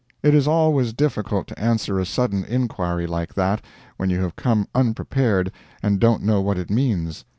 It is always difficult to answer a sudden inquiry like that, when you have come unprepared and don't know what it means.